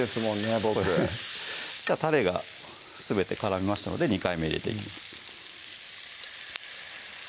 僕たれがすべて絡みましたので２回目入れていきます